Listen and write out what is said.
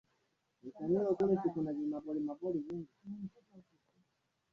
ameliambia shirika la habari la ufaransa kuwa rais mugabe